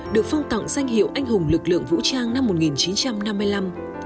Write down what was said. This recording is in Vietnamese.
được phong tặng danh hiệu anh hùng lực lượng vũ trang năm một nghìn chín trăm năm mươi năm